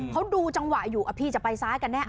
เขาดูจังหวะอยู่พี่จะไปซ้ายกันแน่